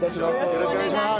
よろしくお願いします。